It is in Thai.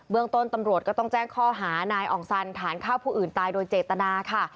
เมืองต้นตำรวจก็ต้องแจ้งข้อหานายอ่องสันฐานฆ่าผู้อื่นตายโดยเจตนาค่ะ